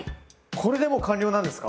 これでもう完了なんですか？